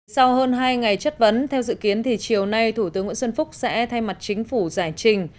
sau hơn hai ngày chất vấn theo dự kiến thì chiều nay thủ tướng nguyễn xuân phúc sẽ thay mặt chính phủ giải trình